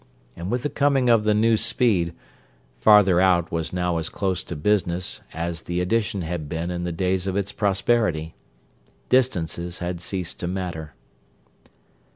And with the coming of the new speed, "farther out" was now as close to business as the Addition had been in the days of its prosperity. Distances had ceased to matter.